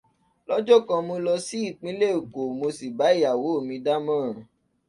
Lọ́jọ́ kan, mo lọ sí ìpínlẹ̀ Èkó, mo sì bá ìyàwó mi dámọ̀ràn